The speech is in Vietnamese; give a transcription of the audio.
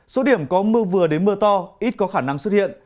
số điểm có mưa vừa đến mưa to ít có khả năng xuất hiện